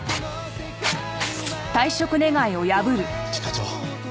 一課長。